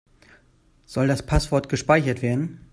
Soll das Passwort gespeichert werden?